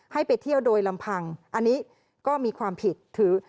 ให้ไปเที่ยวโดยลำพังอันนี้ก็มีความผิดถือ